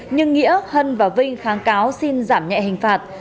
nhưng nghĩa hân và vinh kháng cáo xin giảm nhẹ hình phạt